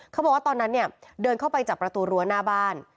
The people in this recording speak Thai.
เขาบอกว่าตอนนั้นเนี่ยเดินเข้าไปจากประตูรั้วหน้าบ้าน